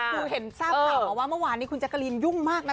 คือเห็นทราบข่าวมาว่าเมื่อวานนี้คุณแจ๊กกะลินยุ่งมากนะ